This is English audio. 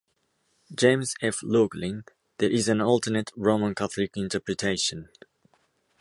James F. Loughlin, there is an alternate Roman Catholic interpretation.